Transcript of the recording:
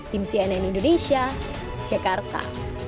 tim cnn indonesia jakarta